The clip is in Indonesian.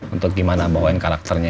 untuk gimana bawain karakternya